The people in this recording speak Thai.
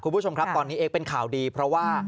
คุณผู้ชมครับตอนนี้เอ็กเป็นข่าวดีเพราะว่า